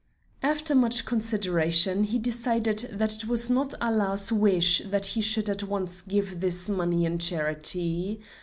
After much consideration, he decided that it was not Allah's wish that he should at once give this money in charity.